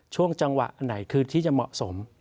ช่วงจังหวะอันไหนคือที่จะเหมาะสม